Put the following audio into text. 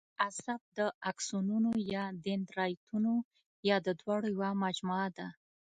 عصب د آکسونونو یا دندرایتونو یا د دواړو یوه مجموعه ده.